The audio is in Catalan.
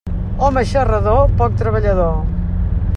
Home xarrador, poc treballador.